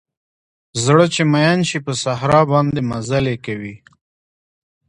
زړه چې مئین شي په صحرا باندې مزلې کوي